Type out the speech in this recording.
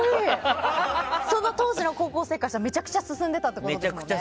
当時の高校生からしたらめちゃくちゃ進んでたってことですよね。